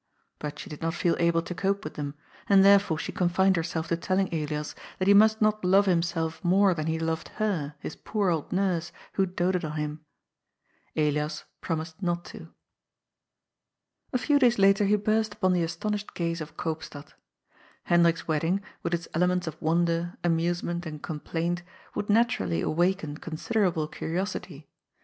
But she did not feel able to cope with them, and therefore she confined herself to tell ing Elias that he must not love himself more than he loved her, his poor old nurse, who doted on him. Elias prom ised not to. A PRINCE AMONG PAUPERS. 211 A few days later he burst upon the astonbhed gaze of Koopstad. Hendrik's wedding, with its elements of wonder, amusement and complaint, would naturally awaken con siderable curiosity.